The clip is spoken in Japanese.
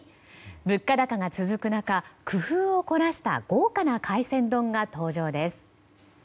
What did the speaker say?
物価高が続く中、工夫を凝らした豪華な海鮮丼が登場です。